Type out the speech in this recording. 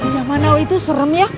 zaman now itu serem ya